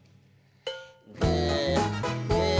「ぐーぐー」